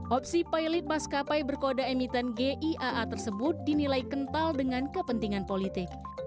opsi pilot maskapai berkode emiten giaa tersebut dinilai kental dengan kepentingan politik